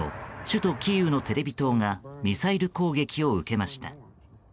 首都キーウのテレビ塔がミサイル攻撃を受けました。